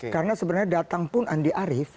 karena sebenarnya datang pun andi arief